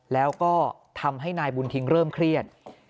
แล้วก็ทำให้นายบุญทิ้งเริ่มเครียด